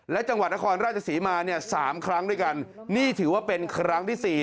และจังหวัดนครราชศรีมาเนี่ย๓ครั้งด้วยกันนี่ถือว่าเป็นครั้งที่สี่